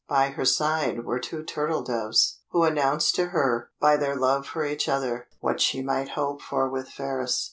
By her side were two turtle doves, who announced to her, by their love for each other, what she might hope for with Phratis.